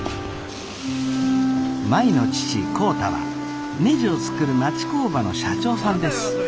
舞の父浩太はねじを作る町工場の社長さんです。